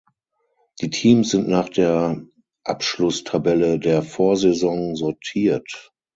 Die Teams sind nach der Abschlusstabelle der Vorsaison sortiert.